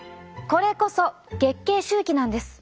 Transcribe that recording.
これこそ月経周期なんです。